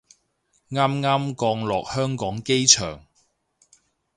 啱啱降落香港機場